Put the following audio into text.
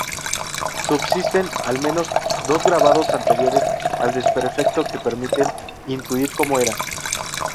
Subsisten al menos dos grabados anteriores al desperfecto que permiten intuir cómo era.